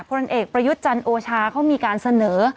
พลเอกประยุทธ์จันทร์โอชาเขามีการเสนอ